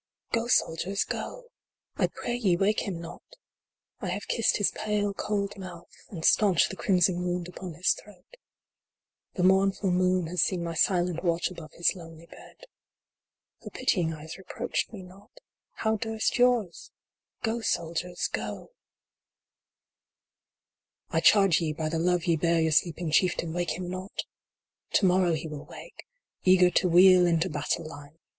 V. Go, soldiers, go ! I pray ye wake him not. I have kissed his pale, cold mouth, and staunched the crimson wound upon his throat. The mournful moon has seen my silent watch above his lonely bed. Her pitying eyes reproached me not How durst yours ? Go, soldiers, go ! Ii8 SAVED. VI. I charge ye by the love ye bear your sleeping chieftain wake him not ! To morrow he will wake, eager to wheel into battle line.